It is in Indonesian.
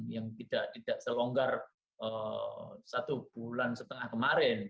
yang tidak selonggar satu bulan setengah kemarin